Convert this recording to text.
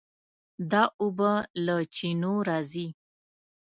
دا اوبه له چینو راځي.